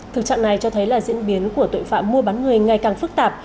thực trạng này cho thấy là diễn biến của tội phạm mua bán người ngày càng phức tạp